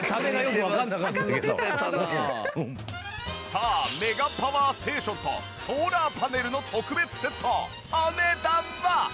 さあメガパワーステーションとソーラーパネルの特別セットお値段は？